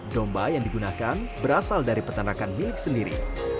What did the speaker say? domba yang digunakan berasal dari peternakan milik sendiri